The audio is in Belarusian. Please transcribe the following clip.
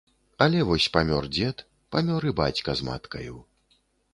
Але вось памёр дзед, памёр і бацька з маткаю.